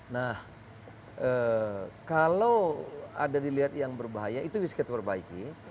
nah kalau ada dilihat yang berbahaya itu bisa kita perbaiki